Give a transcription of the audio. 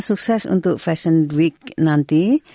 sukses untuk fashion week nanti